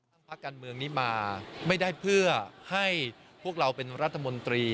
พักการเมืองนี้มาไม่ได้เพื่อให้พวกเราเป็นรัฐมนตรี